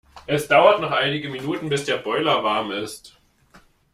Es dauert noch einige Minuten bis der Boiler warm ist.